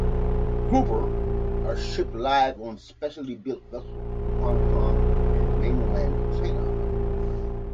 Grouper are shipped live on specially built vessels to Hong Kong and mainland China.